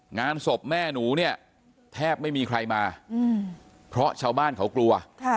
งานศพแม่หนูเนี่ยแทบไม่มีใครมาเพราะชาวบ้านเขากลัว